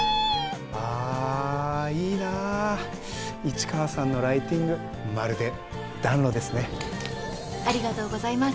あいいな市川さんのライティングまるで暖炉ですね。ありがとうございます。